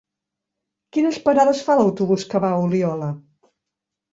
Quines parades fa l'autobús que va a Oliola?